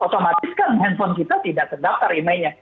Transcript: otomatis kan handphone kita tidak terdaftar emailnya